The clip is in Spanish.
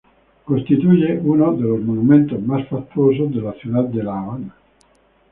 Constituye uno de los monumentos más fastuosos de la ciudad de La Habana.